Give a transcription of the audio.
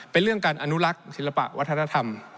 เป็นเรื่องการอนุรักษ์ศิลปะวัฒนธรรม